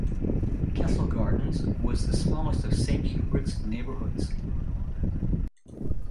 Castle Gardens was the smallest of Saint-Hubert's neighbourhoods.